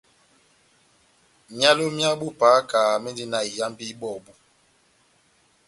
Myálo mya bo pahaka mendi na iyambi ibɔbu.